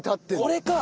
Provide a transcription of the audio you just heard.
これか！